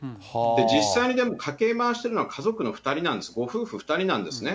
実際に家計回してるのは、家族の２人なんです、ご夫婦２人なんですね。